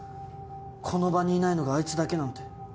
この場にいないのがあいつだけなんて。